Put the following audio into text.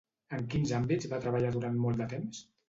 En quins àmbits va treballar durant molt de temps?